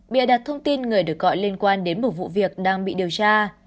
bịa đặt thông tin người được gọi liên quan đến một vụ việc đang bị điều tra